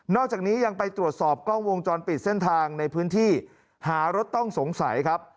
อกจากนี้ยังไปตรวจสอบกล้องวงจรปิดเส้นทางในพื้นที่หารถต้องสงสัยครับ